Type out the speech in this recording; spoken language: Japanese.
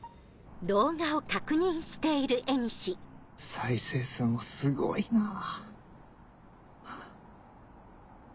再生数もすごいなぁ。